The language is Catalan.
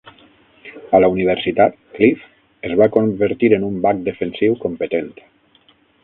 A la universitat, Cliff es va convertir en un back defensiu competent.